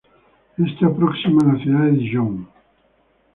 Está próxima a la ciudad de Dijon.